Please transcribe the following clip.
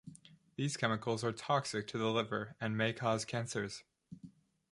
These chemicals are toxic to the liver and may cause cancers.